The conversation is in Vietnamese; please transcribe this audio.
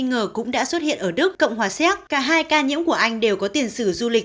nghi ngờ cũng đã xuất hiện ở đức cộng hòa xéc cả hai ca nhiễm của anh đều có tiền sử du lịch